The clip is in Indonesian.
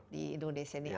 di indonesia ini